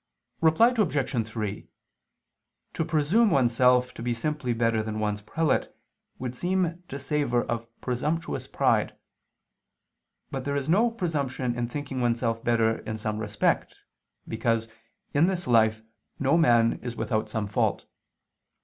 Reply Obj. 3: To presume oneself to be simply better than one's prelate, would seem to savor of presumptuous pride; but there is no presumption in thinking oneself better in some respect, because, in this life, no man is without some fault.